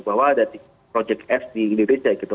bahwa ada project s di indonesia gitu